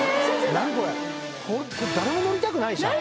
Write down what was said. これ誰も乗りたくないじゃん！